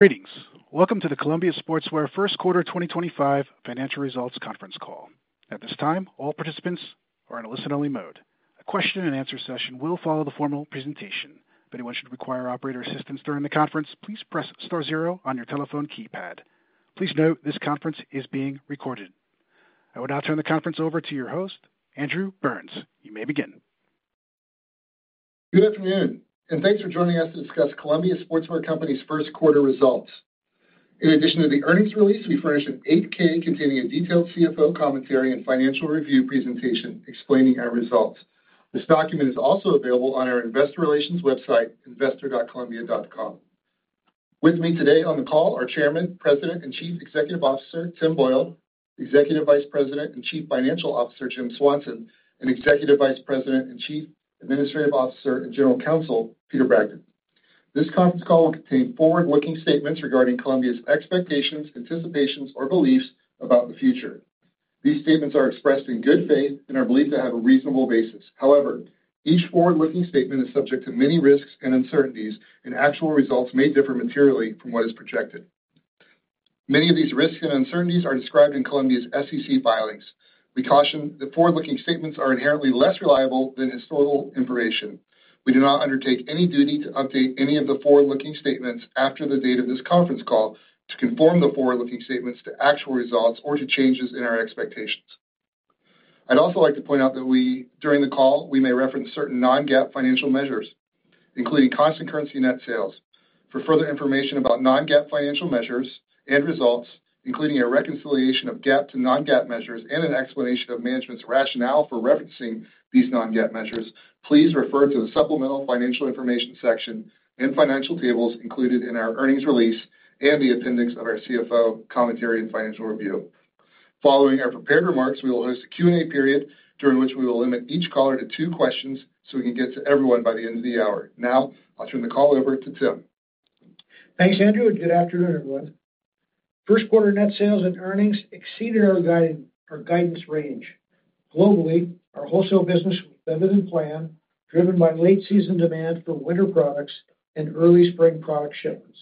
Greetings. Welcome to the Columbia Sportswear First Quarter 2025 Financial Results Conference Call. At this time, all participants are in a listen-only mode. A question-and-answer session will follow the formal presentation. If anyone should require operator assistance during the conference, please press star zero on your telephone keypad. Please note this conference is being recorded. I will now turn the conference over to your host, Andrew Burns. You may begin. Good afternoon, and thanks for joining us to discuss Columbia Sportswear Company's first quarter results. In addition to the earnings release, we furnish an 8-K containing a detailed CFO commentary and financial review presentation explaining our results. This document is also available on our investor relations website, investor.columbia.com. With me today on the call are Chairman, President, and Chief Executive Officer Tim Boyle, Executive Vice President and Chief Financial Officer Jim Swanson, and Executive Vice President and Chief Administrative Officer and General Counsel Peter Bragdon. This conference call will contain forward-looking statements regarding Columbia's expectations, anticipations, or beliefs about the future. These statements are expressed in good faith and are believed to have a reasonable basis. However, each forward-looking statement is subject to many risks and uncertainties, and actual results may differ materially from what is projected. Many of these risks and uncertainties are described in Columbia's SEC filings. We caution that forward-looking statements are inherently less reliable than historical information. We do not undertake any duty to update any of the forward-looking statements after the date of this conference call to conform the forward-looking statements to actual results or to changes in our expectations. I would also like to point out that during the call, we may reference certain non-GAAP financial measures, including constant currency net sales. For further information about non-GAAP financial measures and results, including a reconciliation of GAAP to non-GAAP measures and an explanation of management's rationale for referencing these non-GAAP measures, please refer to the supplemental financial information section and financial tables included in our earnings release and the appendix of our CFO commentary and financial review. Following our prepared remarks, we will host a Q&A period during which we will limit each caller to two questions so we can get to everyone by the end of the hour. Now, I'll turn the call over to Tim. Thanks, Andrew. Good afternoon, everyone. First quarter net sales and earnings exceeded our guidance range. Globally, our wholesale business was better than planned, driven by late-season demand for winter products and early-spring product shipments.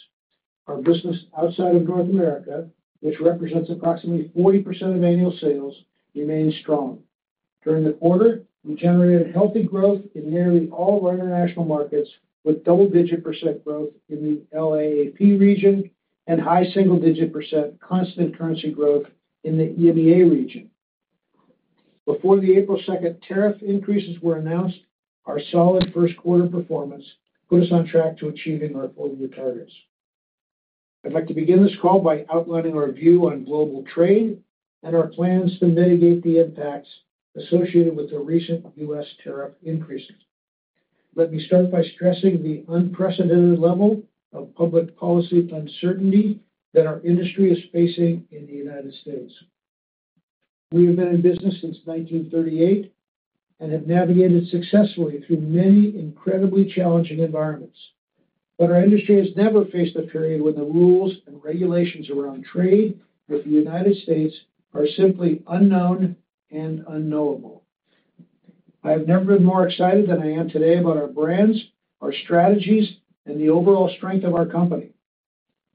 Our business outside of North America, which represents approximately 40% of annual sales, remained strong. During the quarter, we generated healthy growth in nearly all of our international markets, with double-digit % growth in the LAAP region and high single-digit % constant currency growth in the EMEA region. Before the April 2 tariff increases were announced, our solid first quarter performance put us on track to achieving our four-year targets. I'd like to begin this call by outlining our view on global trade and our plans to mitigate the impacts associated with the recent U.S. tariff increases. Let me start by stressing the unprecedented level of public policy uncertainty that our industry is facing in the U.S. We have been in business since 1938 and have navigated successfully through many incredibly challenging environments. Our industry has never faced a period when the rules and regulations around trade with the U.S. are simply unknown and unknowable. I have never been more excited than I am today about our brands, our strategies, and the overall strength of our company.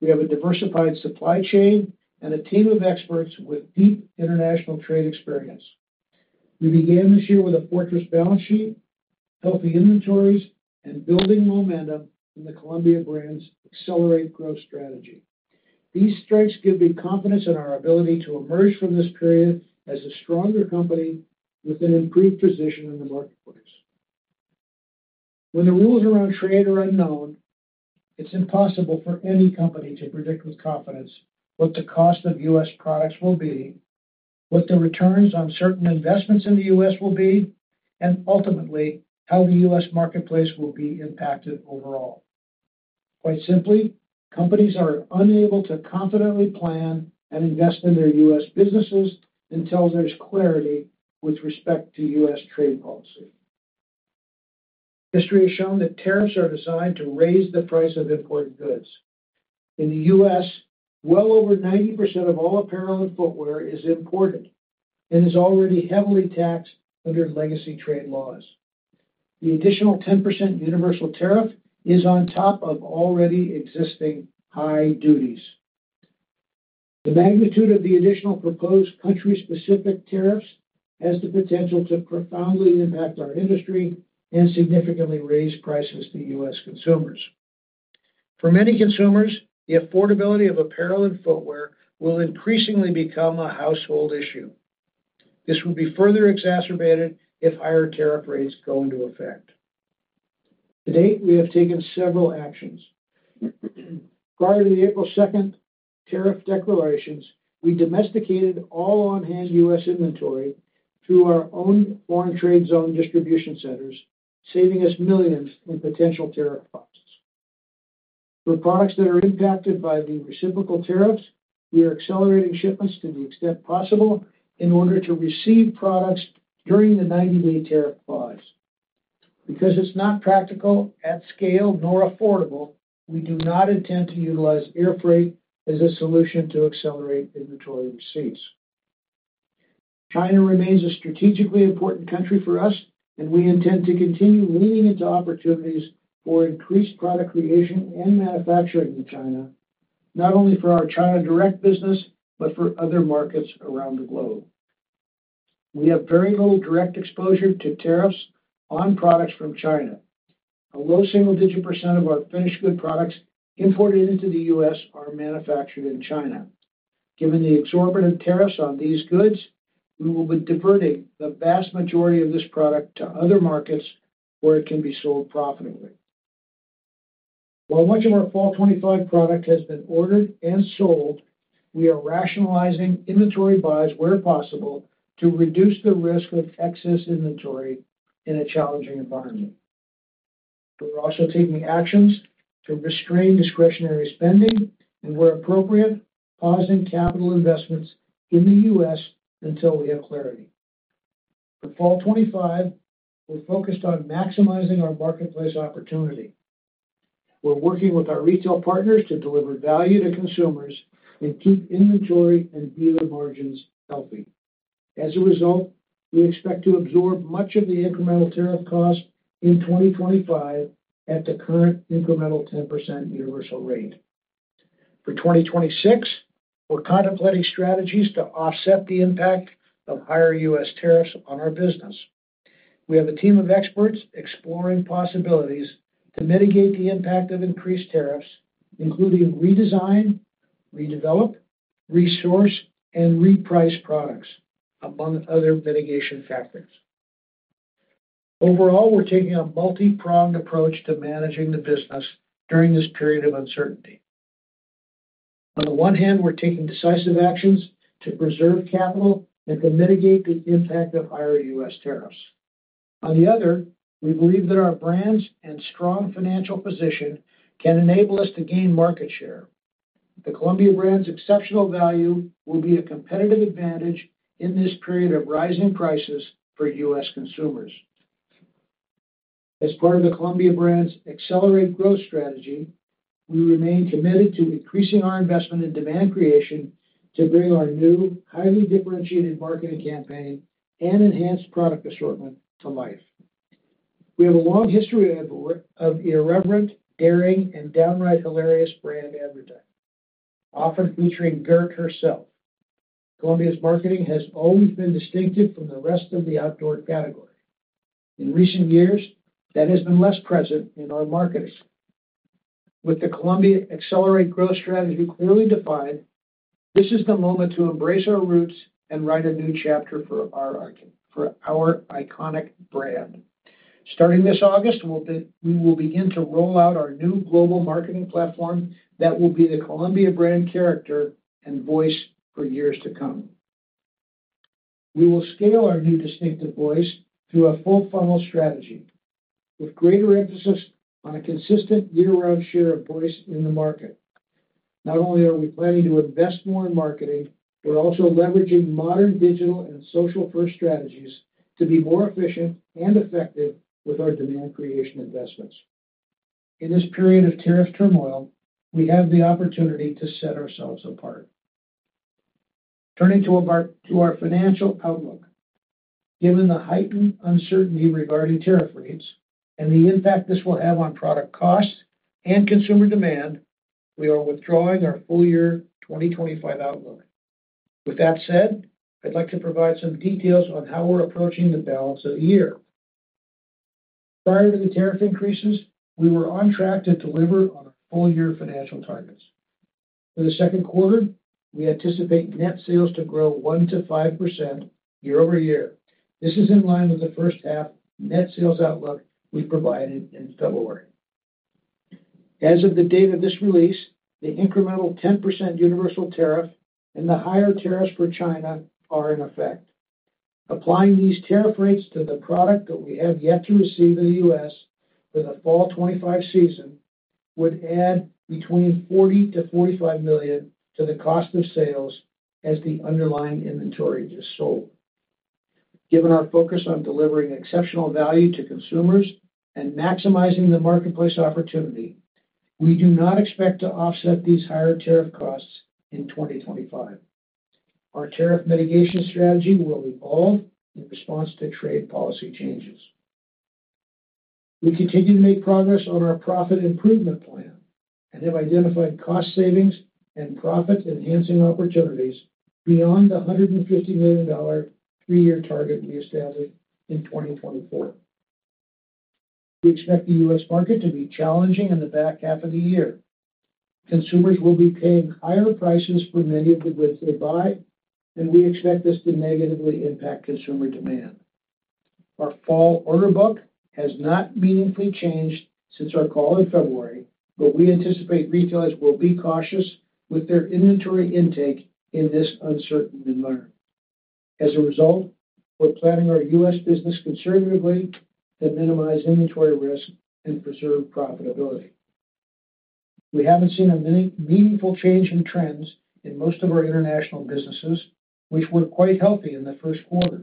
We have a diversified supply chain and a team of experts with deep international trade experience. We began this year with a fortress balance sheet, healthy inventories, and building momentum in the Columbia brand's accelerate growth strategy. These strengths give me confidence in our ability to emerge from this period as a stronger company with an improved position in the marketplace. When the rules around trade are unknown, it's impossible for any company to predict with confidence what the cost of U.S. products will be, what the returns on certain investments in the U.S. will be, and ultimately how the U.S. marketplace will be impacted overall. Quite simply, companies are unable to confidently plan and invest in their U.S. businesses until there's clarity with respect to U.S. trade policy. History has shown that tariffs are designed to raise the price of imported goods. In the U.S., well over 90% of all apparel and footwear is imported and is already heavily taxed under legacy trade laws. The additional 10% universal tariff is on top of already existing high duties. The magnitude of the additional proposed country-specific tariffs has the potential to profoundly impact our industry and significantly raise prices to U.S. consumers. For many consumers, the affordability of apparel and footwear will increasingly become a household issue. This will be further exacerbated if higher tariff rates go into effect. To date, we have taken several actions. Prior to the April 2 tariff declarations, we domesticated all on-hand U.S. inventory through our own foreign trade zone distribution centers, saving us millions in potential tariff costs. For products that are impacted by the reciprocal tariffs, we are accelerating shipments to the extent possible in order to receive products during the 90-day tariff pause. Because it's not practical at scale nor affordable, we do not intend to utilize air freight as a solution to accelerate inventory receipts. China remains a strategically important country for us, and we intend to continue leaning into opportunities for increased product creation and manufacturing in China, not only for our China direct business but for other markets around the globe. We have very little direct exposure to tariffs on products from China. A low single-digit % of our finished good products imported into the U.S. are manufactured in China. Given the exorbitant tariffs on these goods, we will be diverting the vast majority of this product to other markets where it can be sold profitably. While much of our Fall 2025 product has been ordered and sold, we are rationalizing inventory buys where possible to reduce the risk of excess inventory in a challenging environment. We're also taking actions to restrain discretionary spending and, where appropriate, pausing capital investments in the U.S. until we have clarity. For Fall 2025, we're focused on maximizing our marketplace opportunity. We're working with our retail partners to deliver value to consumers and keep inventory and dealer margins healthy. As a result, we expect to absorb much of the incremental tariff costs in 2025 at the current incremental 10% universal rate. For 2026, we're contemplating strategies to offset the impact of higher U.S. tariffs on our business. We have a team of experts exploring possibilities to mitigate the impact of increased tariffs, including redesign, redevelop, resource, and reprice products, among other mitigation factors. Overall, we're taking a multi-pronged approach to managing the business during this period of uncertainty. On the one hand, we're taking decisive actions to preserve capital and to mitigate the impact of higher U.S. tariffs. On the other, we believe that our brands and strong financial position can enable us to gain market share. The Columbia brand's exceptional value will be a competitive advantage in this period of rising prices for U.S. consumers. As part of the Columbia brand's accelerate growth strategy, we remain committed to increasing our investment in demand creation to bring our new, highly differentiated marketing campaign and enhanced product assortment to life. We have a long history of irreverent, daring, and downright hilarious brand advertising, often featuring Gert herself. Columbia's marketing has always been distinctive from the rest of the outdoor category. In recent years, that has been less present in our marketing. With the Columbia accelerate growth strategy clearly defined, this is the moment to embrace our roots and write a new chapter for our iconic brand. Starting this August, we will begin to roll out our new global marketing platform that will be the Columbia brand character and voice for years to come. We will scale our new distinctive voice through a full-funnel strategy, with greater emphasis on a consistent year-round share of voice in the market. Not only are we planning to invest more in marketing, we're also leveraging modern digital and social-first strategies to be more efficient and effective with our demand creation investments. In this period of tariff turmoil, we have the opportunity to set ourselves apart. Turning to our financial outlook, given the heightened uncertainty regarding tariff rates and the impact this will have on product cost and consumer demand, we are withdrawing our full-year 2025 outlook. With that said, I'd like to provide some details on how we're approaching the balance of the year. Prior to the tariff increases, we were on track to deliver on our full-year financial targets. For the second quarter, we anticipate net sales to grow 1-5% year-over-year. This is in line with the first-half net sales outlook we provided in February. As of the date of this release, the incremental 10% universal tariff and the higher tariffs for China are in effect. Applying these tariff rates to the product that we have yet to receive in the U.S. for the Fall 2025 season would add between $40 million-$45 million to the cost of sales as the underlying inventory is sold. Given our focus on delivering exceptional value to consumers and maximizing the marketplace opportunity, we do not expect to offset these higher tariff costs in 2025. Our tariff mitigation strategy will evolve in response to trade policy changes. We continue to make progress on our profit improvement plan and have identified cost savings and profit-enhancing opportunities beyond the $150 million three-year target we established in 2024. We expect the U.S. market to be challenging in the back half of the year. Consumers will be paying higher prices for many of the goods they buy, and we expect this to negatively impact consumer demand. Our fall order book has not meaningfully changed since our call in February, but we anticipate retailers will be cautious with their inventory intake in this uncertain environment. As a result, we're planning our U.S. business conservatively to minimize inventory risk and preserve profitability. We haven't seen a meaningful change in trends in most of our international businesses, which were quite healthy in the first quarter.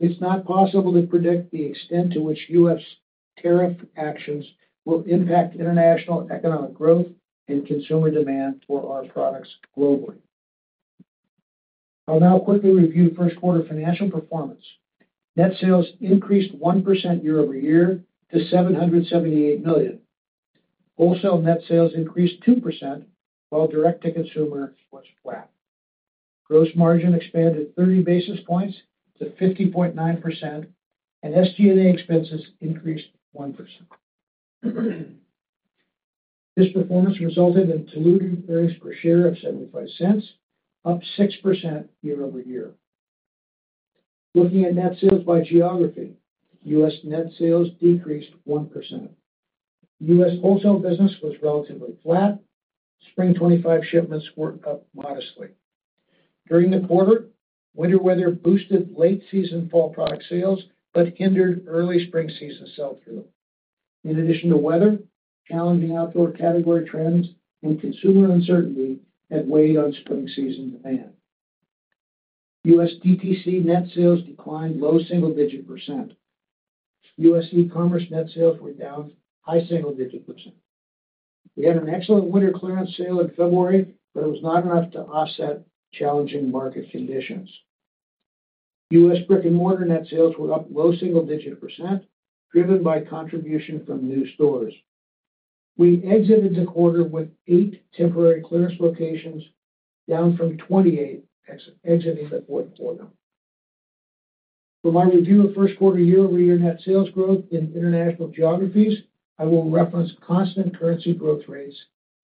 It's not possible to predict the extent to which U.S. tariff actions will impact international economic growth and consumer demand for our products globally. I'll now quickly review first-quarter financial performance. Net sales increased 1% year-over-year to $778 million. Wholesale net sales increased 2%, while direct-to-consumer was flat. Gross margin expanded 30 basis points to 50.9%, and SG&A expenses increased 1%. This performance resulted in diluted earnings per share of $0.75, up 6% year-over-year. Looking at net sales by geography, U.S. net sales decreased 1%. U.S. wholesale business was relatively flat. Spring 2025 shipments were up modestly. During the quarter, winter weather boosted late-season fall product sales but hindered early spring season sell-through. In addition to weather, challenging outdoor category trends and consumer uncertainty had weighed on spring season demand. U.S. DTC net sales declined low single-digit percent. U.S. e-commerce net sales were down high single-digit percent. We had an excellent winter clearance sale in February, but it was not enough to offset challenging market conditions. U.S. brick-and-mortar net sales were up low single-digit percent, driven by contribution from new stores. We exited the quarter with eight temporary clearance locations, down from 28 exiting the fourth quarter. For my review of first quarter year-over-year net sales growth in international geographies, I will reference constant currency growth rates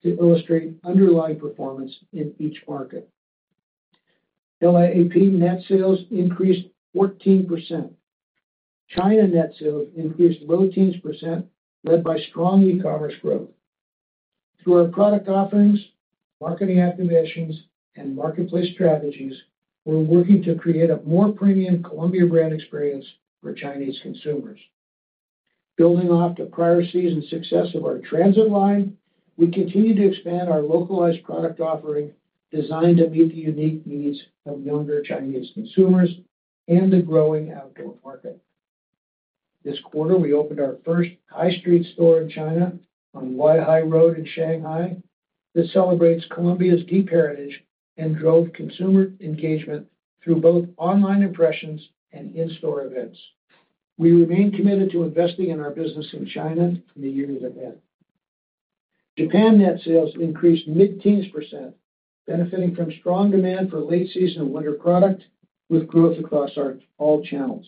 to illustrate underlying performance in each market. LAAP net sales increased 14%. China net sales increased low teens %, led by strong e-commerce growth. Through our product offerings, marketing activations, and marketplace strategies, we're working to create a more premium Columbia brand experience for Chinese consumers. Building off the prior season success of our transit line, we continue to expand our localized product offering designed to meet the unique needs of younger Chinese consumers and the growing outdoor market. This quarter, we opened our first high-street store in China on Huaihai Road in Shanghai. This celebrates Columbia's deep heritage and drove consumer engagement through both online impressions and in-store events. We remain committed to investing in our business in China in the years ahead. Japan net sales increased mid-teens %, benefiting from strong demand for late-season winter product with growth across all channels.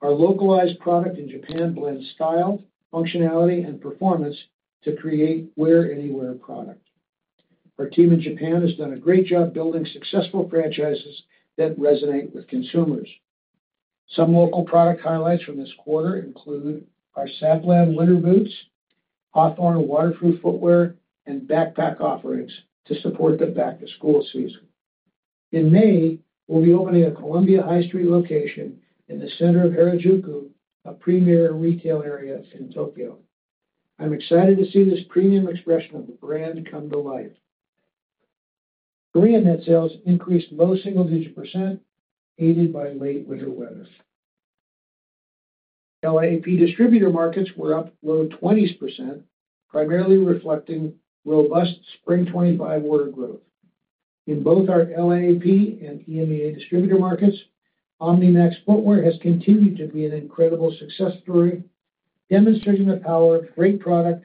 Our localized product in Japan blends style, functionality, and performance to create wear-anywhere product. Our team in Japan has done a great job building successful franchises that resonate with consumers. Some local product highlights from this quarter include our Sapland winter boots, Hawthorne waterproof footwear, and backpack offerings to support the back-to-school season. In May, we'll be opening a Columbia High Street location in the center of Harajuku, a premier retail area in Tokyo. I'm excited to see this premium expression of the brand come to life. Korea net sales increased low single-digit %, aided by late winter weather. LAAP distributor markets were up low 20s %, primarily reflecting robust spring 2025 order growth. In both our LAAP and EMEA distributor markets, Omni-MAX Footwear has continued to be an incredible success story, demonstrating the power of great product,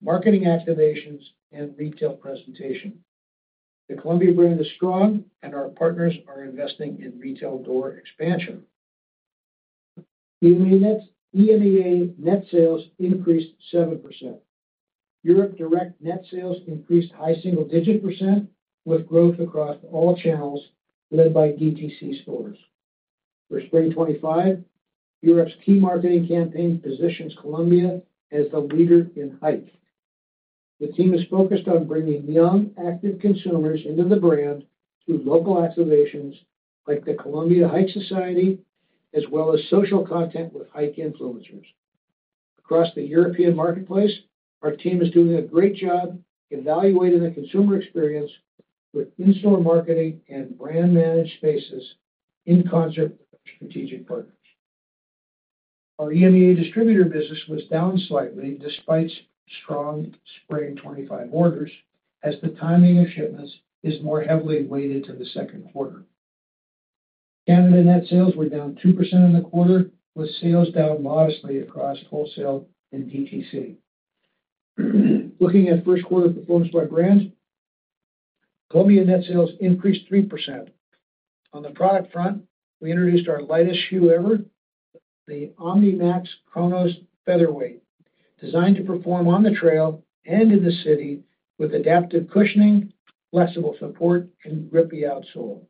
marketing activations, and retail presentation. The Columbia brand is strong, and our partners are investing in retail door expansion. EMEA net sales increased 7%. Europe direct net sales increased high single-digit %, with growth across all channels led by DTC stores. For spring 2025, Europe's key marketing campaign positions Columbia as the leader in hike. The team is focused on bringing young, active consumers into the brand through local activations like the Columbia Hike Society, as well as social content with hike influencers. Across the European marketplace, our team is doing a great job evaluating the consumer experience with in-store marketing and brand-managed spaces in concert with our strategic partners. Our EMEA distributor business was down slightly despite strong spring 2025 orders, as the timing of shipments is more heavily weighted to the second quarter. Canada net sales were down 2% in the quarter, with sales down modestly across wholesale and DTC. Looking at first-quarter performance by brands, Columbia net sales increased 3%. On the product front, we introduced our lightest shoe ever, the Omni-MAX Konos Featherweight, designed to perform on the trail and in the city with adaptive cushioning, flexible support, and grippy outsole.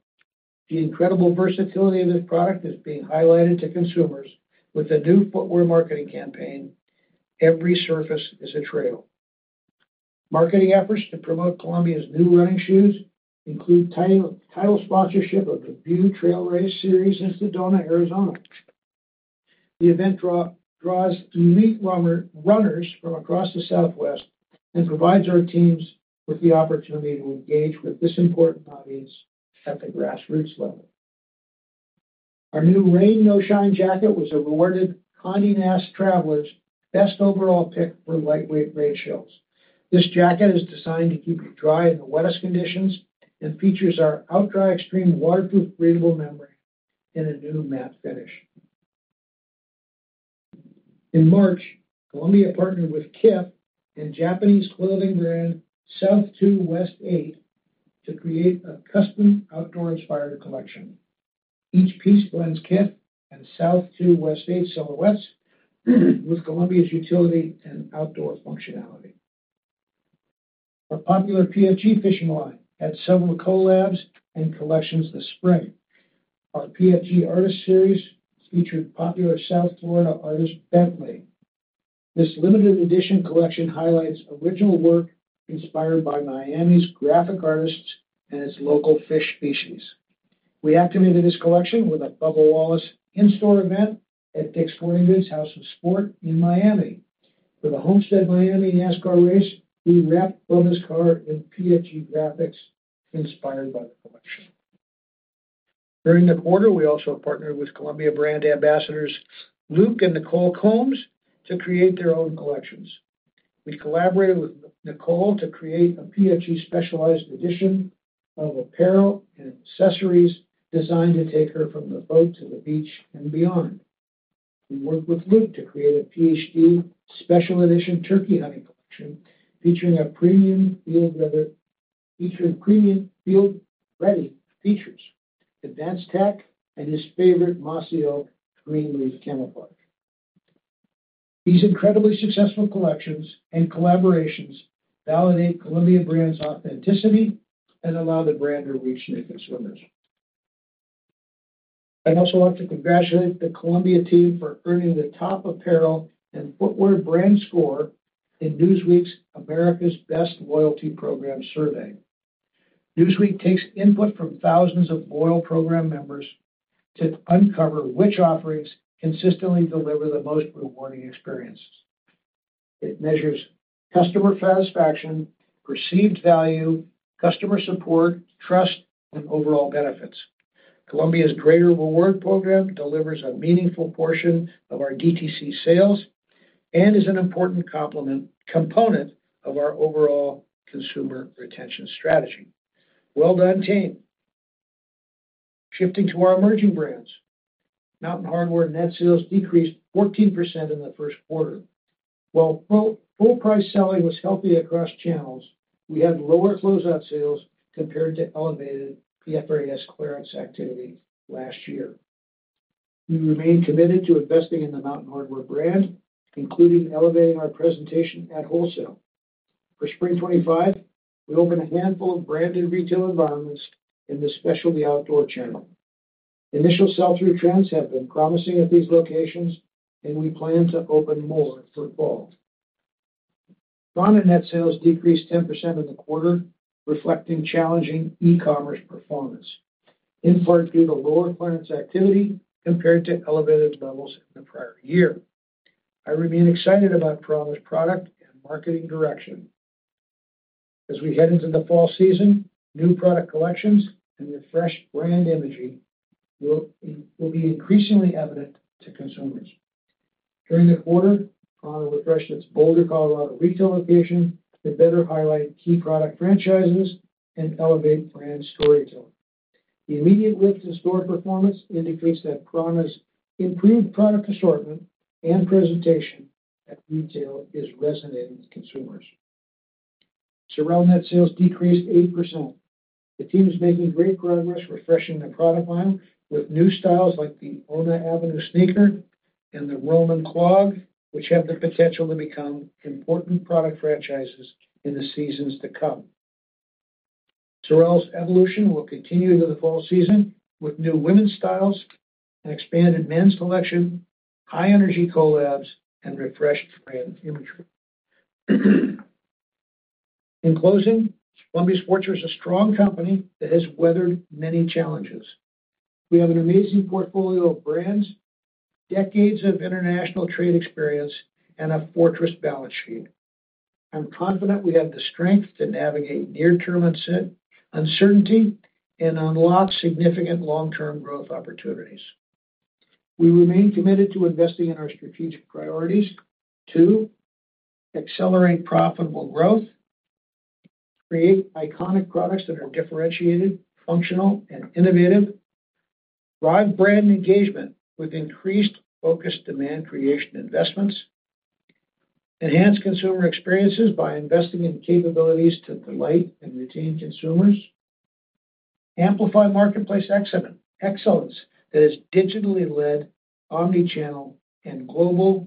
The incredible versatility of this product is being highlighted to consumers with the new footwear marketing campaign, "Every surface is a trail." Marketing efforts to promote Columbia's new running shoes include title sponsorship of the VUE Trail Race Series in Sedona, Arizona. The event draws elite runners from across the Southwest and provides our teams with the opportunity to engage with this important audience at the grassroots level. Our new Reign No Shine Jacket was awarded Condé Nast Traveler's best overall pick for lightweight rain shells. This jacket is designed to keep you dry in the wettest conditions and features our OutDry Extreme waterproof breathable membrane in a new matte finish. In March, Columbia partnered with Kith and Japanese clothing South2 West8 to create a custom outdoor-inspired collection. Each piece blends Kith South2 West8 silhouettes with Columbia's utility and outdoor functionality. Our popular PFG fishing line had several collabs and collections this spring. Our PFG Artist Series featured popular South Florida artist Bentley. This limited edition collection highlights original work inspired by Miami's graphic artists and its local fish species. We activated this collection with a Bubba Wallace in-store event at Dick's Sporting Goods House of Sport in Miami. For the Homestead Miami NASCAR race, we wrapped Bubba's car in PFG graphics inspired by the collection. During the quarter, we also partnered with Columbia brand ambassadors Luke and Nicole Combs to create their own collections. We collaborated with Nicole to create a PFG specialized edition of apparel and accessories designed to take her from the boat to the beach and beyond. We worked with Luke to create a PFG special edition turkey hunting collection featuring premium field-ready features, advanced tech, and his favorite Mossy Oak Greenleaf camouflage. These incredibly successful collections and collaborations validate Columbia brand's authenticity and allow the brand to reach new consumers. I'd also like to congratulate the Columbia team for earning the top apparel and footwear brand score in Newsweek's America's Best Loyalty Program survey. Newsweek takes input from thousands of loyal program members to uncover which offerings consistently deliver the most rewarding experiences. It measures customer satisfaction, perceived value, customer support, trust, and overall benefits. Columbia's Greater Rewards program delivers a meaningful portion of our DTC sales and is an important component of our overall consumer retention strategy. Well done, team. Shifting to our emerging brands, Mountain Hardwear net sales decreased 14% in the first quarter. While full-price selling was healthy across channels, we had lower closeout sales compared to elevated PFAS clearance activity last year. We remain committed to investing in the Mountain Hardwear brand, including elevating our presentation at wholesale. For spring 2025, we open a handful of branded retail environments in the specialty outdoor channel. Initial sell-through trends have been promising at these locations, and we plan to open more for fall. prAna net sales decreased 10% in the quarter, reflecting challenging e-commerce performance, in part due to lower clearance activity compared to elevated levels in the prior year. I remain excited about prAna's product and marketing direction. As we head into the fall season, new product collections and refreshed brand imagery will be increasingly evident to consumers. During the quarter, prAna refreshed its Boulder, Colorado retail location to better highlight key product franchises and elevate brand storytelling. The immediate lift in store performance indicates that prAna's improved product assortment and presentation at retail is resonating with consumers. SOREL net sales decreased 8%. The team is making great progress refreshing the product line with new styles like the ONA Avenue Sneaker and the Roman Clog, which have the potential to become important product franchises in the seasons to come. SOREL's evolution will continue into the fall season with new women's styles, an expanded men's collection, high-energy collabs, and refreshed brand imagery. In closing, Columbia Sportswear is a strong company that has weathered many challenges. We have an amazing portfolio of brands, decades of international trade experience, and a fortress balance sheet. I'm confident we have the strength to navigate near-term uncertainty and unlock significant long-term growth opportunities. We remain committed to investing in our strategic priorities to accelerate profitable growth, create iconic products that are differentiated, functional, and innovative, drive brand engagement with increased focus demand creation investments, enhance consumer experiences by investing in capabilities to delight and retain consumers, amplify marketplace excellence that is digitally led, omnichannel, and global,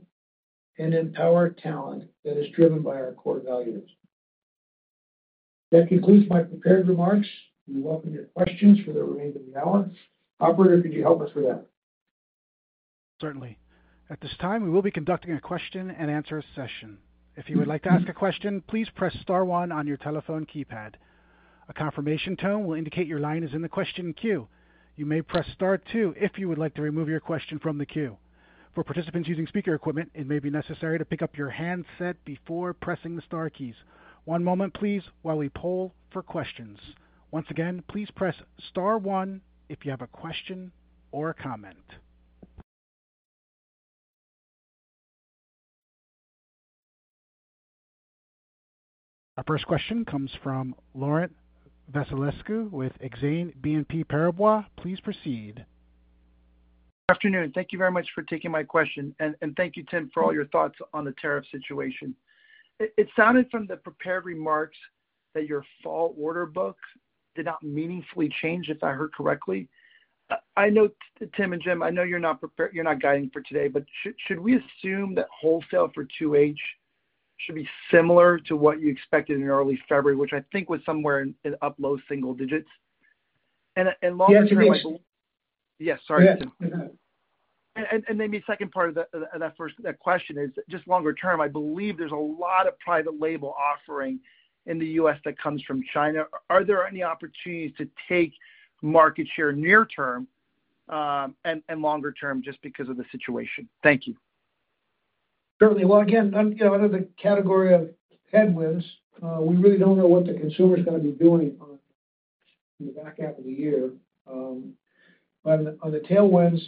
and empower talent that is driven by our core values. That concludes my prepared remarks. We welcome your questions for the remainder of the hour. Operator, could you help us with that? Certainly. At this time, we will be conducting a question-and-answer session. If you would like to ask a question, please press star one on your telephone keypad. A confirmation tone will indicate your line is in the question queue. You may press star two if you would like to remove your question from the queue. For participants using speaker equipment, it may be necessary to pick up your handset before pressing the star keys. One moment, please, while we poll for questions. Once again, please press star one if you have a question or a comment. Our first question comes from Laurent Vasilescu with Exane BNP Paribas. Please proceed. Good afternoon. Thank you very much for taking my question. Thank you, Tim, for all your thoughts on the tariff situation. It sounded from the prepared remarks that your fall order book did not meaningfully change, if I heard correctly. I know, Tim and Jim, I know you're not guiding for today, but should we assume that wholesale for 2H should be similar to what you expected in early February, which I think was somewhere in up low single digits? Longer-term, yes, sir. Yes, sir. Sorry. Maybe second part of that question is just longer term, I believe there's a lot of private label offering in the U.S. that comes from China. Are there any opportunities to take market share near-term and longer-term just because of the situation? Thank you. Certainly. Again, under the category of headwinds, we really do not know what the consumer is going to be doing in the back half of the year. On the tailwinds,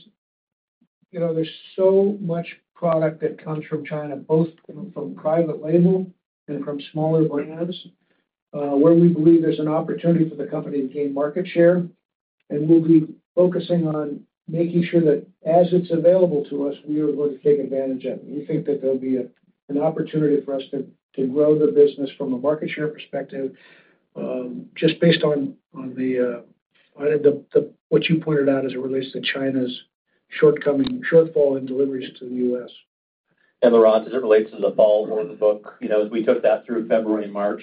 there's so much product that comes from China, both from private label and from smaller brands, where we believe there's an opportunity for the company to gain market share. We will be focusing on making sure that as it's available to us, we are going to take advantage of it. We think that there will be an opportunity for us to grow the business from a market share perspective just based on what you pointed out as it relates to China's shortfall in deliveries to the U.S. Laurent, as it relates to the fall order book, as we took that through February and March,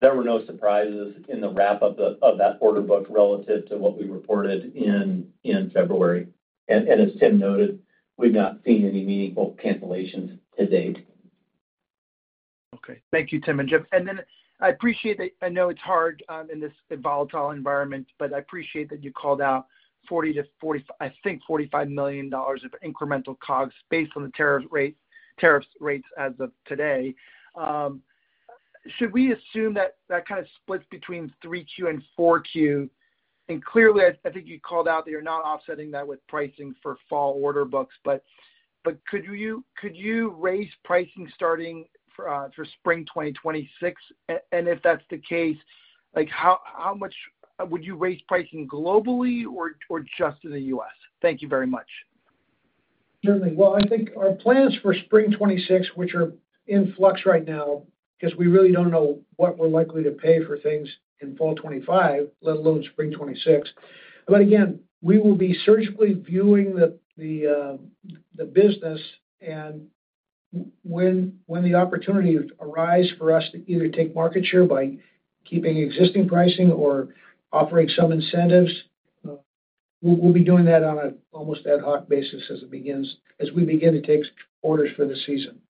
there were no surprises in the wrap-up of that order book relative to what we reported in February. As Tim noted, we've not seen any meaningful cancellations to date. Thank you, Tim and Jim. I appreciate that. I know it's hard in this volatile environment, but I appreciate that you called out $40-$45 million of incremental COGS based on the tariff rates as of today. Should we assume that that kind of splits between 3Q and 4Q? Clearly, I think you called out that you're not offsetting that with pricing for fall order books, but could you raise pricing starting for spring 2026? If that's the case, how much would you raise pricing globally or just in the U.S.? Thank you very much. Certainly. I think our plans for spring 2026, which are in flux right now, because we really don't know what we're likely to pay for things in fall 2025, let alone spring 2026. Again, we will be surgically viewing the business. When the opportunity arises for us to either take market share by keeping existing pricing or offering some incentives, we'll be doing that on an almost ad hoc basis as we begin to take orders for the season.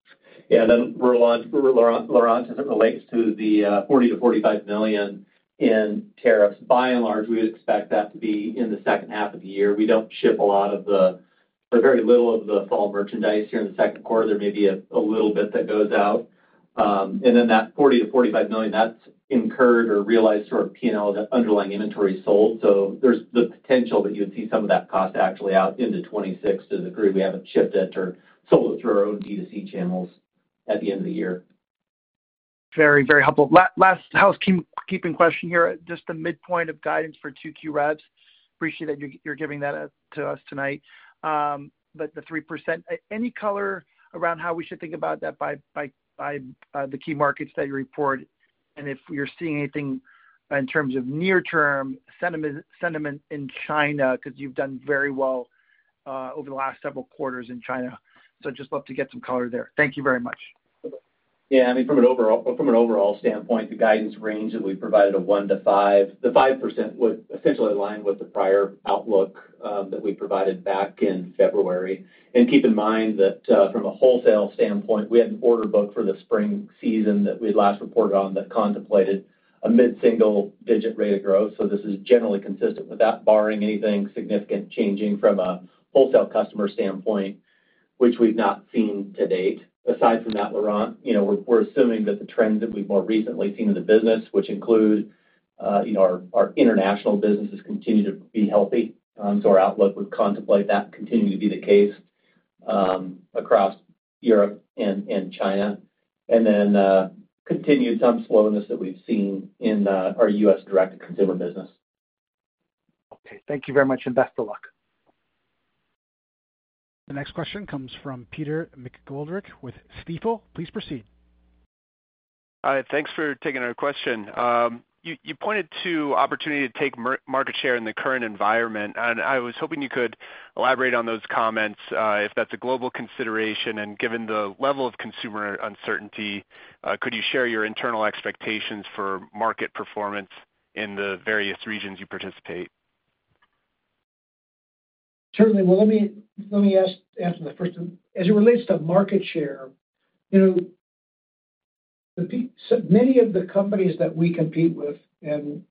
Yeah. Laurent, as it relates to the $40 million-$45 million in tariffs, by and large, we would expect that to be in the second half of the year. We do not ship a lot of the or very little of the fall merchandise here in the second quarter. There may be a little bit that goes out. That $40 million-$45 million is incurred or realized through our P&L, the underlying inventory sold. There is the potential that you would see some of that cost actually out into 2026. To the degree we haven't shipped it or sold it through our own DTC channels at the end of the year. Very, very helpful. Last housekeeping question here, just the midpoint of guidance for 2Q Revs. Appreciate that you're giving that to us tonight. The 3%, any color around how we should think about that by the key markets that you report? If you're seeing anything in terms of near-term sentiment in China, because you've done very well over the last several quarters in China. I'd just love to get some color there. Thank you very much. Yeah. I mean, from an overall standpoint, the guidance range that we provided, a 1-5, the 5% would essentially align with the prior outlook that we provided back in February. Keep in mind that from a wholesale standpoint, we had an order book for the spring season that we had last reported on that contemplated a mid-single-digit rate of growth. This is generally consistent with that, barring anything significant changing from a wholesale customer standpoint, which we've not seen to date. Aside from that, Laurent, we're assuming that the trends that we've more recently seen in the business, which include our international business, has continued to be healthy. Our outlook would contemplate that continuing to be the case across Europe and China. Continued some slowness that we've seen in our U.S. direct-to-consumer business. Okay. Thank you very much and best of luck. The next question comes from Peter McGoldrick with Stifel. Please proceed. Hi. Thanks for taking our question. You pointed to opportunity to take market share in the current environment. I was hoping you could elaborate on those comments, if that's a global consideration. Given the level of consumer uncertainty, could you share your internal expectations for market performance in the various regions you participate? Certainly. Let me answer the first one. As it relates to market share, many of the companies that we compete with, and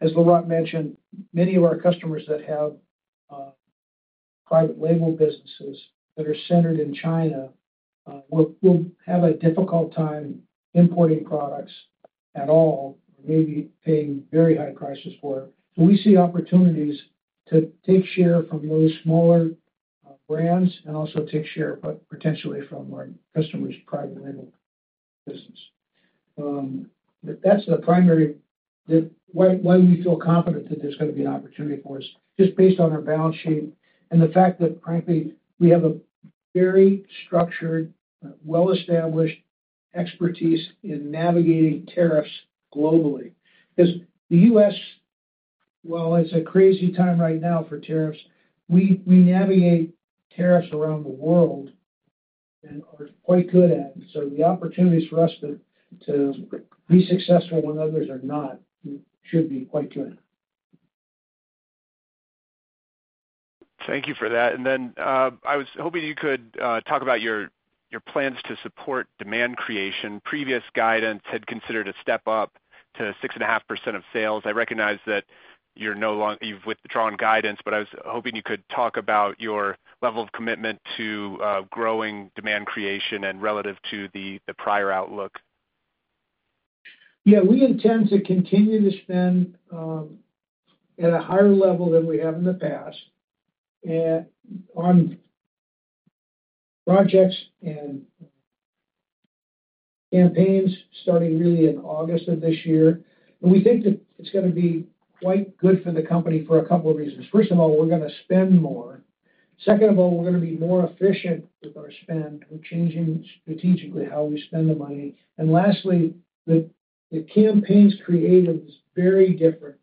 as Laurent mentioned, many of our customers that have private label businesses that are centered in China will have a difficult time importing products at all or maybe paying very high prices for it. We see opportunities to take share from those smaller brands and also take share, but potentially from our customers' private label business. That's the primary why we feel confident that there's going to be an opportunity for us, just based on our balance sheet and the fact that, frankly, we have a very structured, well-established expertise in navigating tariffs globally. Because the U.S., while it's a crazy time right now for tariffs, we navigate tariffs around the world and are quite good at it. The opportunities for us to be successful when others are not should be quite good. Thank you for that. I was hoping you could talk about your plans to support demand creation. Previous guidance had considered a step up to 6.5% of sales. I recognize that you've withdrawn guidance, but I was hoping you could talk about your level of commitment to growing demand creation relative to the prior outlook. Yeah. We intend to continue to spend at a higher level than we have in the past on projects and campaigns starting really in August of this year. We think that it's going to be quite good for the company for a couple of reasons. First of all, we're going to spend more. Second of all, we're going to be more efficient with our spend. We're changing strategically how we spend the money. Lastly, the campaigns created is very different.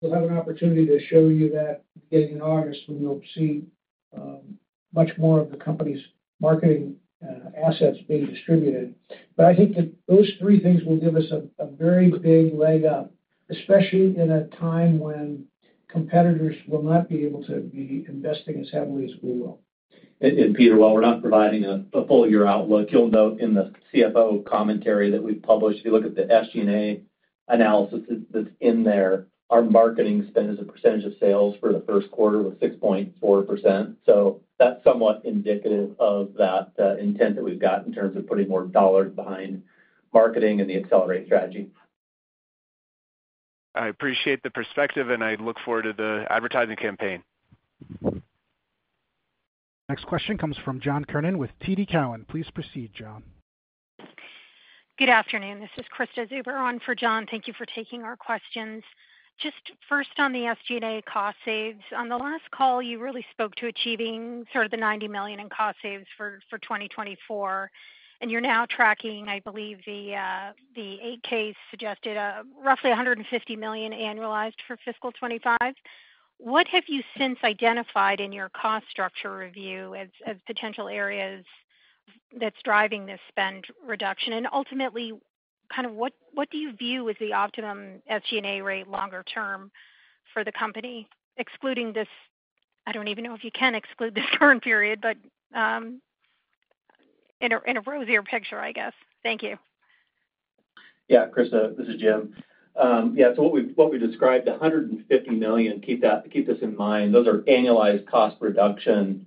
We'll have an opportunity to show you that beginning in August when you'll see much more of the company's marketing assets being distributed. I think that those three things will give us a very big leg up, especially in a time when competitors will not be able to be investing as heavily as we will. Peter, while we're not providing a full year outlook, you'll note in the CFO commentary that we've published, if you look at the SG&A analysis that's in there, our marketing spend is a percentage of sales for the first quarter of 6.4%. That's somewhat indicative of that intent that we've got in terms of putting more dollars behind marketing and the accelerate strategy. I appreciate the perspective, and I look forward to the advertising campaign. Next question comes from John Kernan with TD Cowen. Please proceed, John. Good afternoon. This is Krista Zuber on for John. Thank you for taking our questions. Just first on the SG&A cost saves. On the last call, you really spoke to achieving sort of the $90 million in cost saves for 2024. And you're now tracking, I believe, the 8-K suggested roughly $150 million annualized for fiscal 2025. What have you since identified in your cost structure review as potential areas that's driving this spend reduction? Ultimately, kind of what do you view as the optimum SG&A rate longer term for the company, excluding this—I do not even know if you can exclude this current period, but in a rosier picture, I guess. Thank you. Yeah. Krista, this is Jim. Yeah. What we described, the $150 million, keep this in mind, those are annualized cost reduction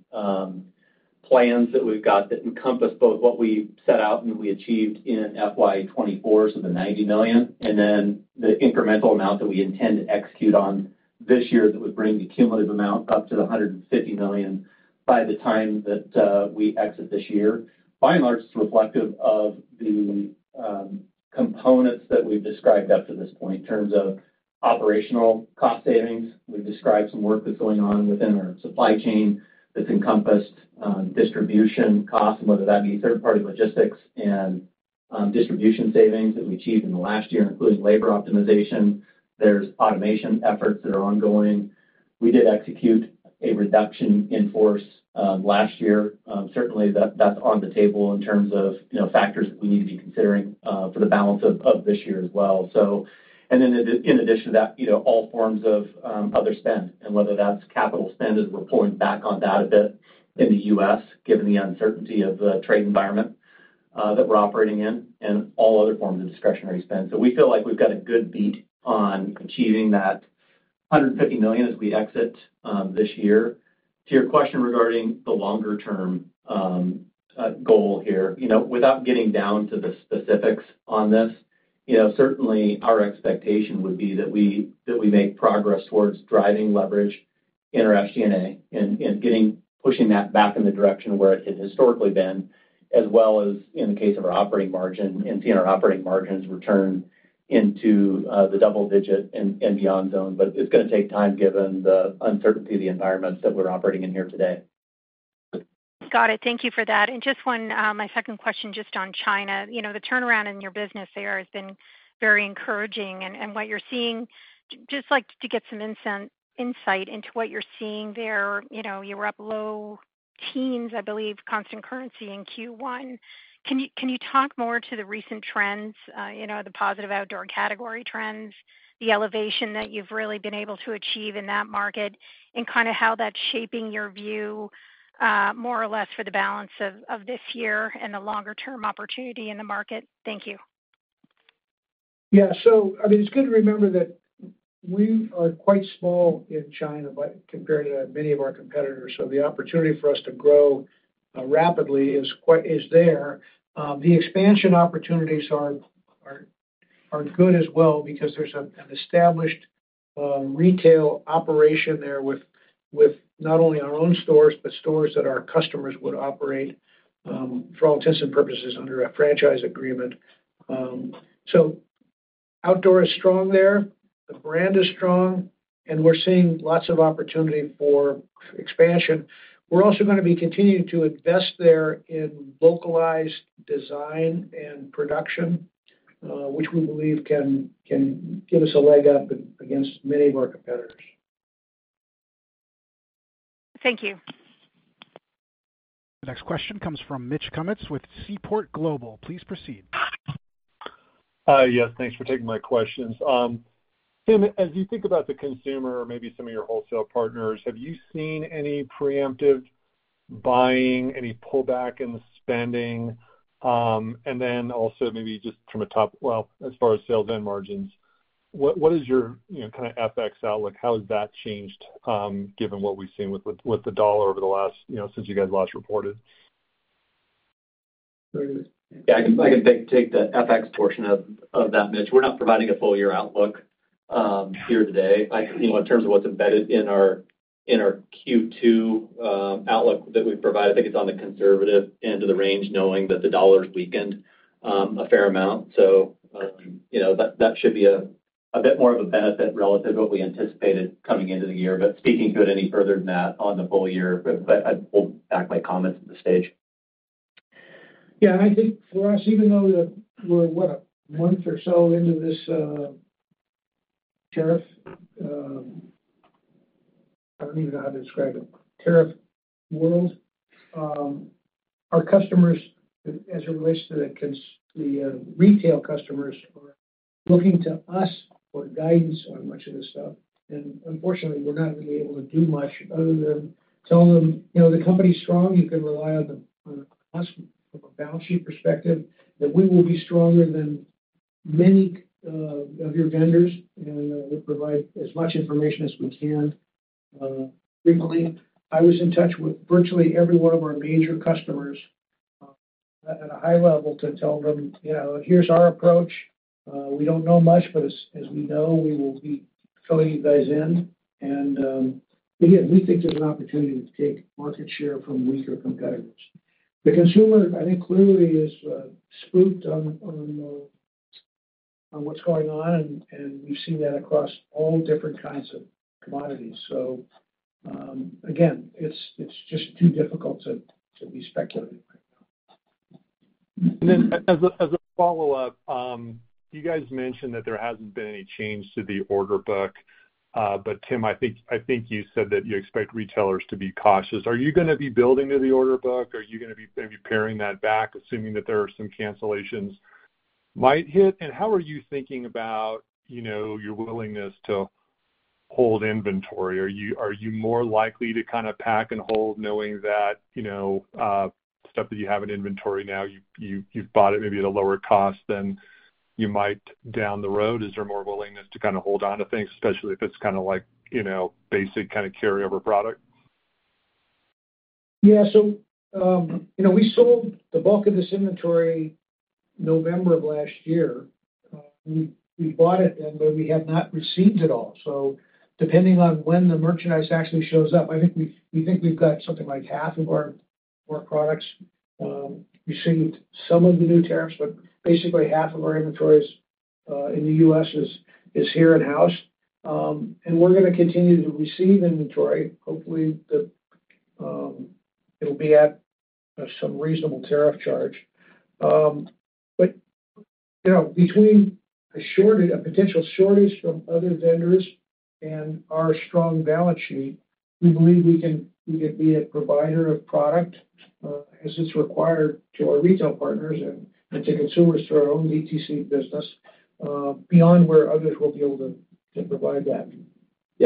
plans that we have that encompass both what we set out and we achieved in FY2024, so the $90 million, and then the incremental amount that we intend to execute on this year that would bring the cumulative amount up to the $150 million by the time that we exit this year. By and large, it's reflective of the components that we've described up to this point in terms of operational cost savings. We've described some work that's going on within our supply chain that's encompassed distribution costs, whether that be third-party logistics and distribution savings that we achieved in the last year, including labor optimization. There's automation efforts that are ongoing. We did execute a reduction in force last year. Certainly, that's on the table in terms of factors that we need to be considering for the balance of this year as well. In addition to that, all forms of other spend, and whether that's capital spend, as we're pulling back on that a bit in the U.S., given the uncertainty of the trade environment that we're operating in, and all other forms of discretionary spend. We feel like we've got a good beat on achieving that $150 million as we exit this year. To your question regarding the longer-term goal here, without getting down to the specifics on this, certainly our expectation would be that we make progress towards driving leverage in our SG&A and pushing that back in the direction where it had historically been, as well as in the case of our operating margin and seeing our operating margins return into the double-digit and beyond zone. It is going to take time given the uncertainty of the environments that we're operating in here today. Got it. Thank you for that. Just my second question just on China. The turnaround in your business there has been very encouraging. What you're seeing, just to get some insight into what you're seeing there, you were up low teens, I believe, constant currency in Q1. Can you talk more to the recent trends, the positive outdoor category trends, the elevation that you've really been able to achieve in that market, and kind of how that's shaping your view more or less for the balance of this year and the longer-term opportunity in the market? Thank you. Yeah. I mean, it's good to remember that we are quite small in China compared to many of our competitors. The opportunity for us to grow rapidly is there. The expansion opportunities are good as well because there's an established retail operation there with not only our own stores but stores that our customers would operate, for all intents and purposes, under a franchise agreement. Outdoor is strong there. The brand is strong. We are seeing lots of opportunity for expansion. We are also going to be continuing to invest there in localized design and production, which we believe can give us a leg up against many of our competitors. Thank you. The next question comes from Mitch Kummetz with Seaport Global. Please proceed. Yes. Thanks for taking my questions. Tim, as you think about the consumer or maybe some of your wholesale partners, have you seen any preemptive buying, any pullback in the spending? Also maybe just from a top, as far as sales and margins, what is your kind of FX outlook? How has that changed given what we have seen with the dollar over the last since you guys last reported? Yeah. I can take the FX portion of that, Mitch. We are not providing a full year outlook here today. In terms of what's embedded in our Q2 outlook that we've provided, I think it's on the conservative end of the range, knowing that the dollar has weakened a fair amount. That should be a bit more of a benefit relative to what we anticipated coming into the year. Speaking to it any further than that on the full year, I'll back my comments at this stage. Yeah. I think for us, even though we're what, a month or so into this tariff—I don't even know how to describe it—tariff world, our customers, as it relates to the retail customers, are looking to us for guidance on much of this stuff. Unfortunately, we're not really able to do much other than tell them, "the company's strong. You can rely on us from a balance sheet perspective, that we will be stronger than many of your vendors, and we will provide as much information as we can. Recently, I was in touch with virtually every one of our major customers at a high level to tell them, "Here is our approach. We do not know much, but as we know, we will be filling you guys in. We think there is an opportunity to take market share from weaker competitors." The consumer, I think, clearly is spooked on what is going on. We have seen that across all different kinds of commodities. It is just too difficult to be speculative right now. As a follow-up, you guys mentioned that there has not been any change to the order book. Tim, I think you said that you expect retailers to be cautious. Are you going to be building to the order book? Are you going to be maybe paring that back, assuming that there are some cancellations? Might hit. How are you thinking about your willingness to hold inventory? Are you more likely to kind of pack and hold, knowing that stuff that you have in inventory now, you've bought it maybe at a lower cost than you might down the road? Is there more willingness to kind of hold on to things, especially if it's kind of like basic kind of carryover product? Yeah. We sold the bulk of this inventory November of last year. We bought it then, but we have not received it all. Depending on when the merchandise actually shows up, I think we've got something like half of our products received some of the new tariffs, but basically half of our inventories in the U.S. is here in-house. We're going to continue to receive inventory. Hopefully, it'll be at some reasonable tariff charge. Between a potential shortage from other vendors and our strong balance sheet, we believe we can be a provider of product as it's required to our retail partners and to consumers through our own DTC business beyond where others will be able to provide that.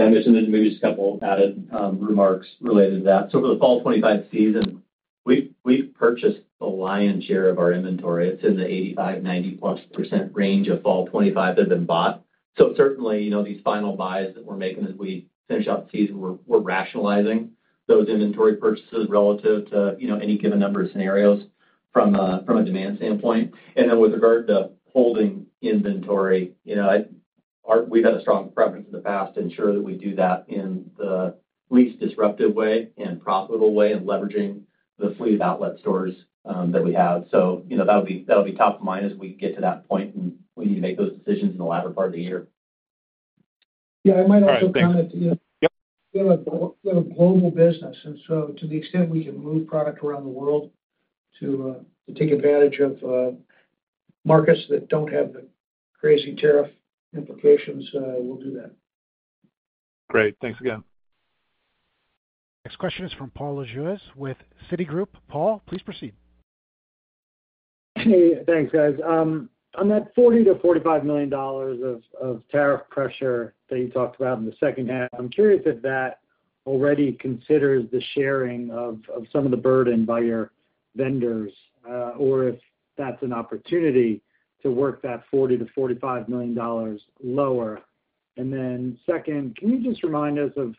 I'm assuming maybe just a couple of added remarks related to that. For the Fall 2025 season, we've purchased the lion's share of our inventory. It's in the 85-90+% range of Fall 2025 that have been bought. Certainly, these final buys that we're making as we finish out the season, we're rationalizing those inventory purchases relative to any given number of scenarios from a demand standpoint. With regard to holding inventory, we've had a strong preference in the past to ensure that we do that in the least disruptive way and profitable way and leveraging the fleet of outlet stores that we have. That'll be top of mind as we get to that point, and we need to make those decisions in the latter part of the year. I might also comment to you. We have a global business. To the extent we can move product around the world to take advantage of markets that don't have the crazy tariff implications, we'll do that. Great. Thanks again. Next question is from Paul Lejuez with Citigroup. Paul, please proceed. Thanks, guys. On that $40-$45 million of tariff pressure that you talked about in the second half, I'm curious if that already considers the sharing of some of the burden by your vendors or if that's an opportunity to work that $40-$45 million lower. Can you just remind us of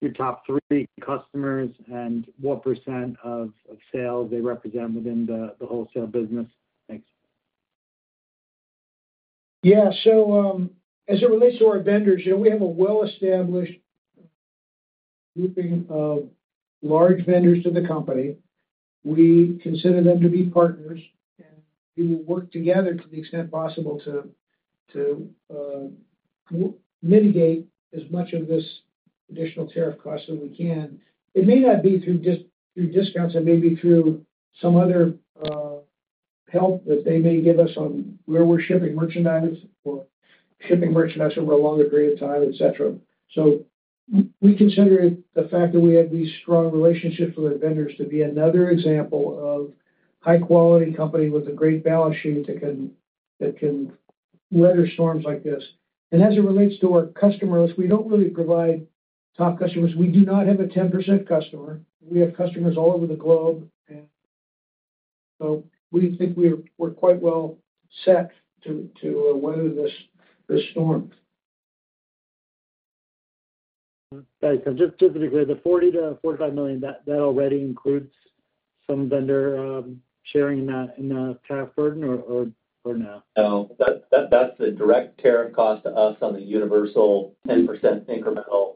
your top three customers and what % of sales they represent within the wholesale business? Thanks. Yeah. As it relates to our vendors, we have a well-established grouping of large vendors to the company. We consider them to be partners, and we will work together to the extent possible to mitigate as much of this additional tariff cost that we can. It may not be through discounts. It may be through some other help that they may give us on where we're shipping merchandise or shipping merchandise over a longer period of time, etc. We consider the fact that we have these strong relationships with our vendors to be another example of a high-quality company with a great balance sheet that can weather storms like this. As it relates to our customers, we don't really provide top customers. We do not have a 10% customer. We have customers all over the globe. We think we're quite well set to weather this storm. Just to be clear, the $40 million-$45 million, that already includes some vendor sharing in the tariff burden or no? No. That's the direct tariff cost to us on the universal 10% incremental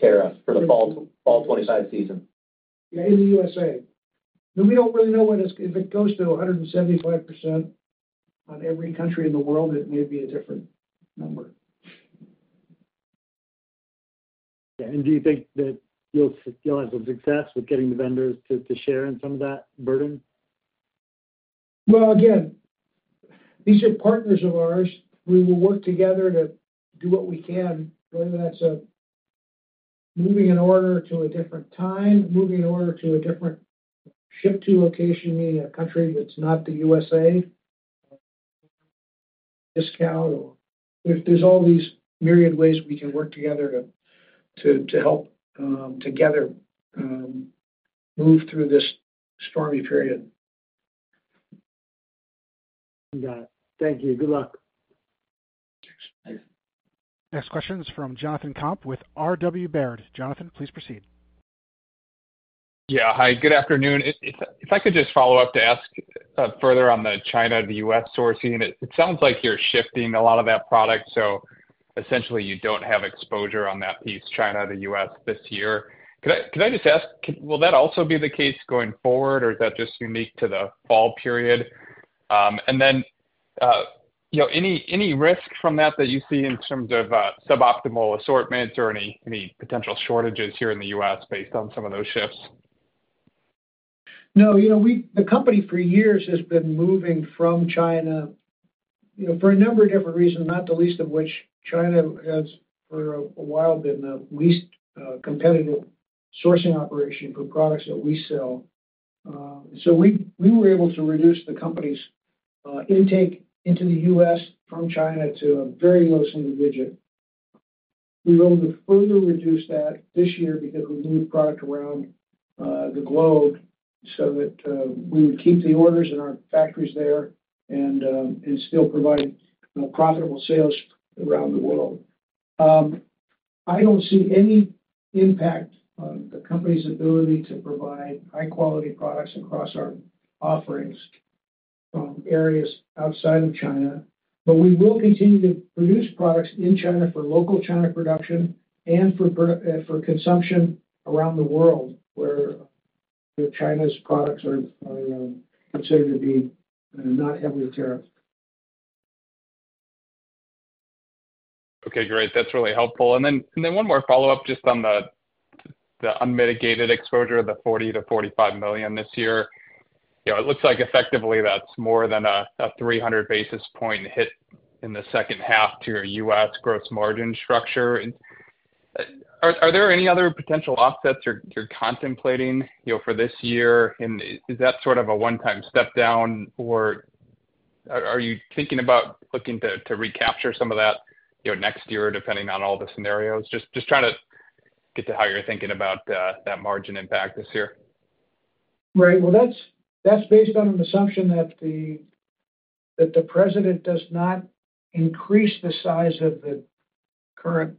tariff for the Fall 2025 season. Yeah. in the U.S. We do not really know if it goes to 175%. In every country in the world, it may be a different number. Okay. Do you think that you will have some success with getting the vendors to share in some of that burden? These are partners of ours. We will work together to do what we can, whether that is moving an order to a different time, moving an order to a different ship-to location, meaning a country that is not the U.S., discount, or there are all these myriad ways we can work together to help together move through this stormy period. Got it. Thank you. Good luck. Thanks. Next question is from Jonathan Komp with RW Baird. Jonathan, please proceed. Yeah. Hi. Good afternoon. If I could just follow up to ask further on the China to U.S. sourcing, it sounds like you are shifting a lot of that product. Essentially, you do not have exposure on that piece, China to us, this year. Could I just ask, will that also be the case going forward, or is that just unique to the Fall period? Any risk from that that you see in terms of suboptimal assortments or any potential shortages here in the U.S. based on some of those shifts? No. The company, for years, has been moving from China for a number of different reasons, not the least of which China has for a while been the least competitive sourcing operation for products that we sell. We were able to reduce the company's intake into the U.S. from China to a very low single digit. We were able to further reduce that this year because we moved product around the globe so that we would keep the orders in our factories there and still provide profitable sales around the world. I do not see any impact on the company's ability to provide high-quality products across our offerings from areas outside of China. We will continue to produce products in China for local China production and for consumption around the world where China's products are considered to be not heavily tariffed. Okay. Great. That is really helpful. One more follow-up just on the unmitigated exposure of the $40 million-$45 million this year. It looks like effectively that is more than a 300 basis point hit in the second half to your U.S. gross margin structure. Are there any other potential offsets you are contemplating for this year? Is that sort of a one-time step down, or are you thinking about looking to recapture some of that next year depending on all the scenarios? Just trying to get to how you're thinking about that margin impact this year. That is based on an assumption that the president does not increase the size of the current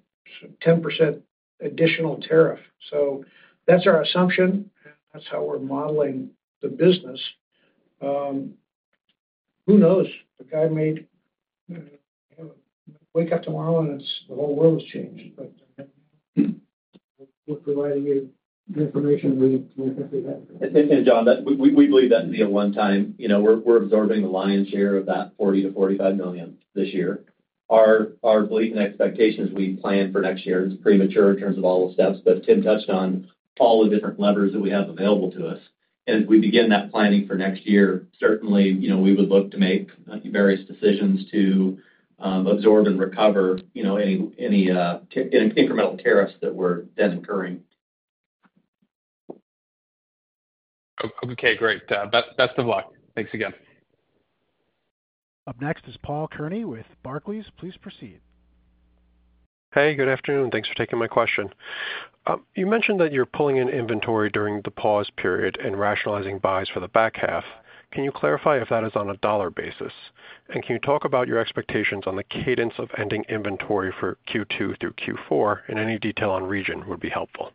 10% additional tariff. That is our assumption, and that is how we're modeling the business. Who knows? The guy may wake up tomorrow, and the whole world has changed. We're providing you information we think we have. John, we believe that to be a one-time. We're absorbing the lion's share of that $40 million-$45 million this year. Our belief and expectations we plan for next year is premature in terms of all the steps. Tim touched on all the different levers that we have available to us. As we begin that planning for next year, certainly, we would look to make various decisions to absorb and recover any incremental tariffs that were then occurring. Okay. Great. Best of luck. Thanks again. Up next is Paul Kearney with Barclays. Please proceed. Hey. Good afternoon. Thanks for taking my question. You mentioned that you're pulling in inventory during the pause period and rationalizing buys for the back half. Can you clarify if that is on a dollar basis? And can you talk about your expectations on the cadence of ending inventory for Q2 through Q4? Any detail on region would be helpful.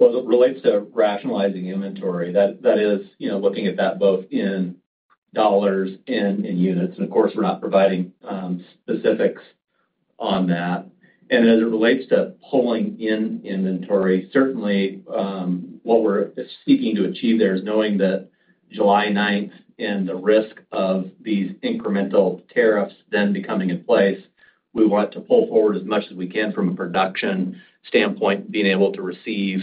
As it relates to rationalizing inventory, that is looking at that both in dollars and in units. Of course, we're not providing specifics on that. As it relates to pulling in inventory, certainly, what we're seeking to achieve there is knowing that July 9 and the risk of these incremental tariffs then becoming in place, we want to pull forward as much as we can from a production standpoint, being able to receive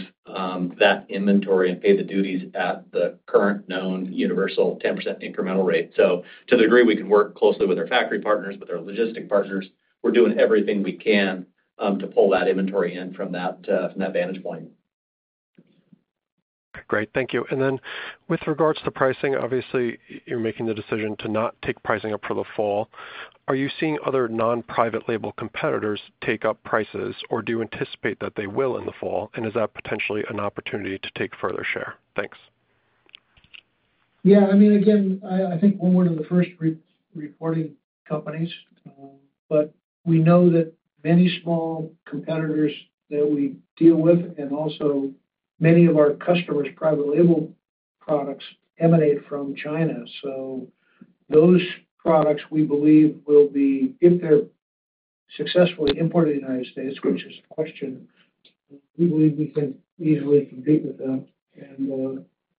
that inventory and pay the duties at the current known universal 10% incremental rate. To the degree we can work closely with our factory partners, with our logistic partners, we're doing everything we can to pull that inventory in from that vantage point. Great. Thank you. With regards to pricing, obviously, you're making the decision to not take pricing up for the fall. Are you seeing other non-private label competitors take up prices, or do you anticipate that they will in the fall? Is that potentially an opportunity to take further share? Thanks. Yeah. I mean, again, I think we're one of the first reporting companies. We know that many small competitors that we deal with and also many of our customers' private label products emanate from China. Those products, we believe, will be, if they're successfully imported to the United States, which is a question, we believe we can easily compete with them.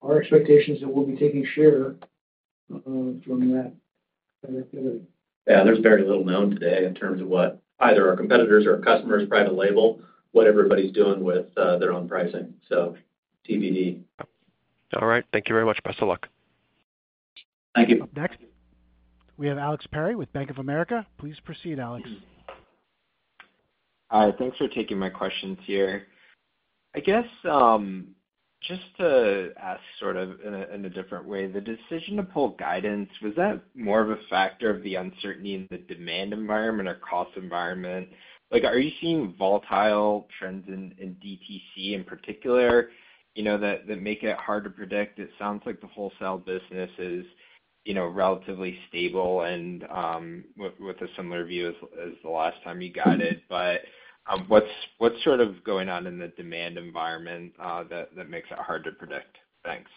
Our expectation is that we'll be taking share from that. Yeah. There's very little known today in terms of what either our competitors or our customers' private label, what everybody's doing with their own pricing. TBD. All right. Thank you very much. Best of luck. Thank you. Next, we have Alex Perry with Bank of America. Please proceed, Alex. Hi. Thanks for taking my questions here. I guess just to ask sort of in a different way, the decision to pull guidance, was that more of a factor of the uncertainty in the demand environment or cost environment? Are you seeing volatile trends in DTC in particular that make it hard to predict? It sounds like the wholesale business is relatively stable and with a similar view as the last time you got it. What is sort of going on in the demand environment that makes it hard to predict? Thanks.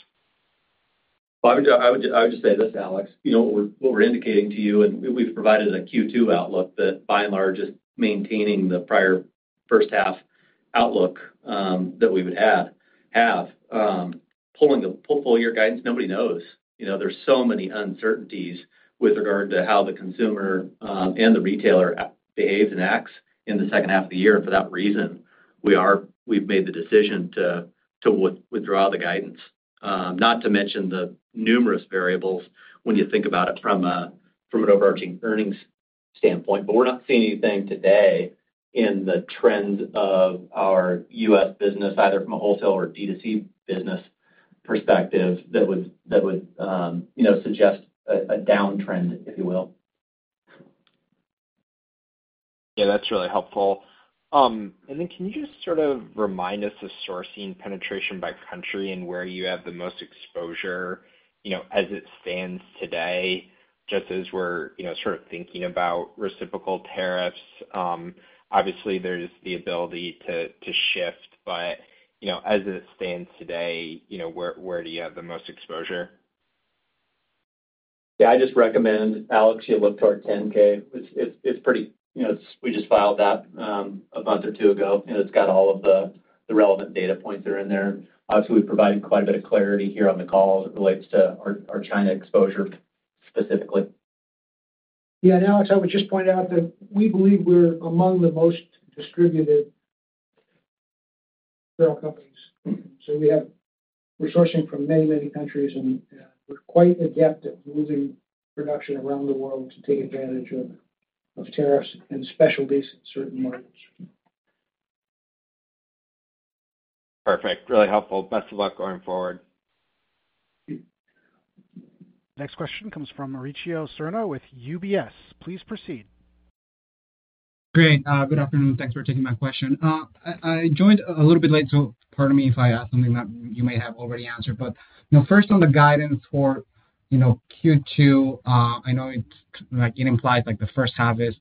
I would just say this, Alex. What we're indicating to you, and we've provided a Q2 outlook that, by and large, is maintaining the prior first-half outlook that we would have. Pulling a full-year guidance, nobody knows. There are so many uncertainties with regard to how the consumer and the retailer behaves and acts in the second half of the year. For that reason, we've made the decision to withdraw the guidance. Not to mention the numerous variables when you think about it from an overarching earnings standpoint. We're not seeing anything today in the trend of our U.S. business, either from a wholesale or DTC business perspective, that would suggest a downtrend, if you will. Yeah. That's really helpful. Can you just sort of remind us of sourcing penetration by country and where you have the most exposure as it stands today, just as we're sort of thinking about reciprocal tariffs? Obviously, there's the ability to shift. As it stands today, where do you have the most exposure? Yeah. I just recommend, Alex, you look toward 10-K. It's pretty—we just filed that a month or two ago, and it's got all of the relevant data points that are in there. Obviously, we've provided quite a bit of clarity here on the call as it relates to our China exposure specifically. Yeah. And Alex, I would just point out that we believe we're among the most distributed apparel companies. So we're sourcing from many, many countries, and we're quite adept at moving production around the world to take advantage of tariffs and specialties in certain markets. Perfect. Really helpful. Best of luck going forward. Next question comes from Mauricio Serna with UBS. Please proceed. Great. Good afternoon. Thanks for taking my question. I joined a little bit late, so pardon me if I ask something that you may have already answered. First, on the guidance for Q2, I know it implies the first half is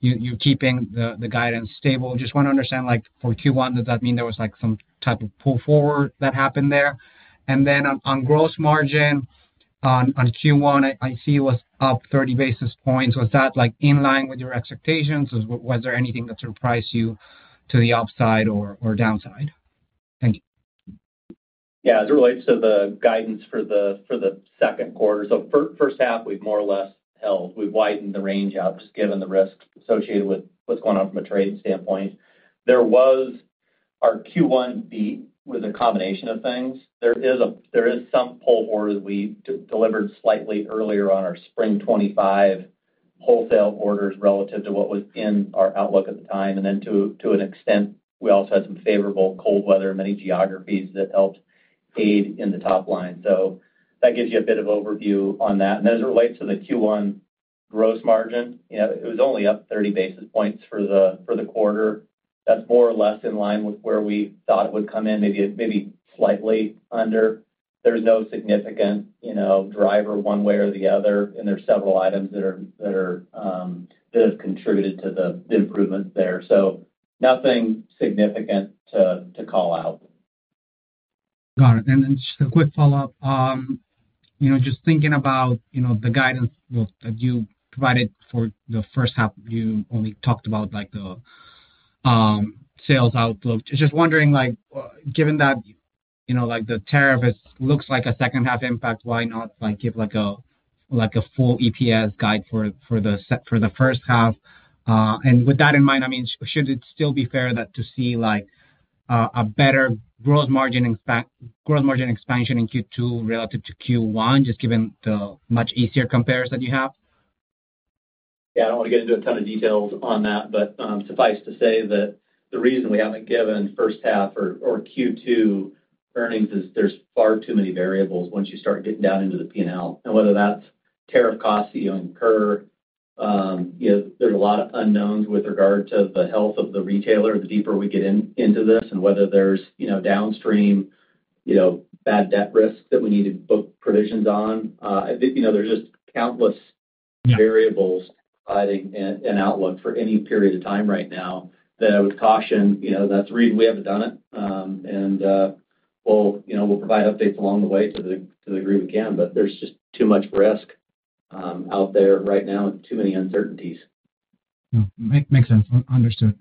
you're keeping the guidance stable. Just want to understand, for Q1, does that mean there was some type of pull forward that happened there? On gross margin, on Q1, I see it was up 30 basis points. Was that in line with your expectations, or was there anything that surprised you to the upside or downside? Thank you. Yeah. As it relates to the guidance for the second quarter, so first half, we've more or less held. We've widened the range out just given the risks associated with what's going on from a trade standpoint. Our Q1 beat was a combination of things. There is some pull forward that we delivered slightly earlier on our spring 2025 wholesale orders relative to what was in our outlook at the time. To an extent, we also had some favorable cold weather in many geographies that helped aid in the top line. That gives you a bit of overview on that. As it relates to the Q1 gross margin, it was only up 30 basis points for the quarter. That is more or less in line with where we thought it would come in, maybe slightly under. There is no significant driver one way or the other, and there are several items that have contributed to the improvement there. Nothing significant to call out. Got it. Just a quick follow-up. Just thinking about the guidance that you provided for the first half, you only talked about the sales outlook. Just wondering, given that the tariff looks like a second-half impact, why not give a full EPS guide for the first half? With that in mind, I mean, should it still be fair to see a better gross margin expansion in Q2 relative to Q1, just given the much easier comparison you have? Yeah. I don't want to get into a ton of details on that, but suffice to say that the reason we haven't given first half or Q2 earnings is there's far too many variables once you start getting down into the P&L. Whether that's tariff costs that you incur, there's a lot of unknowns with regard to the health of the retailer, the deeper we get into this, and whether there's downstream bad debt risk that we need to book provisions on. There's just countless variables providing an outlook for any period of time right now that I would caution that the reason we haven't done it. We'll provide updates along the way to the degree we can, but there's just too much risk out there right now and too many uncertainties. Makes sense. Understood.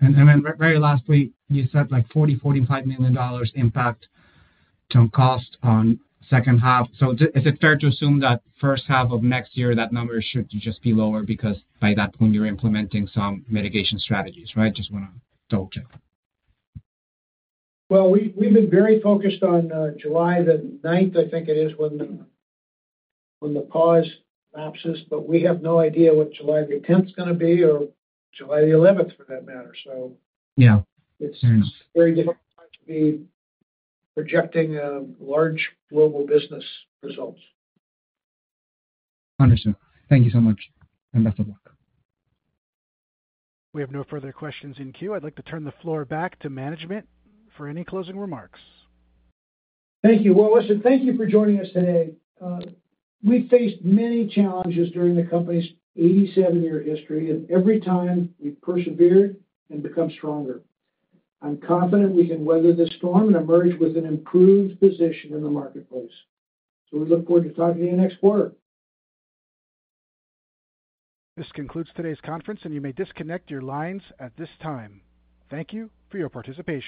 Very lastly, you said $40-$45 million impact on cost on second half. Is it fair to assume that first half of next year, that number should just be lower because by that point, you're implementing some mitigation strategies, right? Just want to double-check. We've been very focused on July 9, I think it is, when the pause lapses. We have no idea what July 10 is going to be or July 11, for that matter. It is very difficult to be projecting large global business results. Understood. Thank you so much. Best of luck. We have no further questions in queue. I'd like to turn the floor back to management for any closing remarks. Thank you. Thank you for joining us today. We faced many challenges during the company's 87-year history, and every time we persevered and became stronger. I'm confident we can weather this storm and emerge with an improved position in the marketplace. We look forward to talking to you next quarter. This concludes today's conference, and you may disconnect your lines at this time. Thank you for your participation.